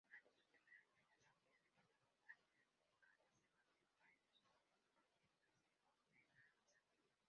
Durante su primer año, la Asamblea Departamental de Caldas debatió varios Proyectos de Ordenanza.